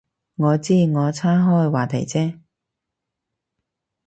我知，我岔开话题啫